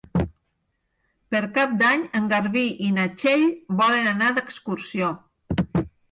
Per Cap d'Any en Garbí i na Txell volen anar d'excursió.